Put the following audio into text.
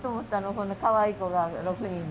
こんなかわいい子が６人も。